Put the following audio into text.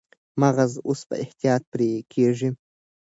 مغز اوس په احتیاط پرې کېږي.